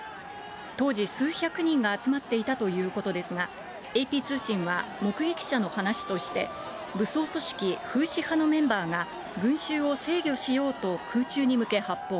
当時、数百人が集まっていたということですが、ＡＰ通信は目撃者の話として、武装組織、風刺派のメンバーが群衆を制御しようと空中に向け発砲。